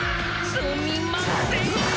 すみません！